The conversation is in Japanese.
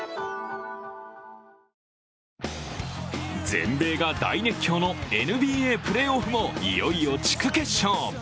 全米が大熱狂のＮＢＡプレーオフもいよいよ地区決勝。